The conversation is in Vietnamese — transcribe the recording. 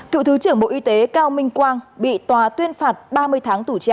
cựu thứ trưởng bộ y tế cao minh quang bị tòa tuyên phạt ba mươi tháng tù treo